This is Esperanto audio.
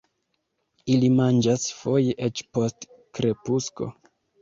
Ili manĝas foje eĉ post krepusko.